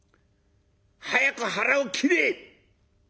早く腹を切れ！」。